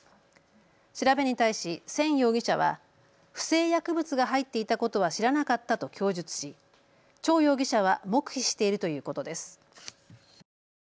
調べに対しせん容疑者は不正薬物が入っていたことは知らなかったと供述し趙容疑者は黙秘しているということです。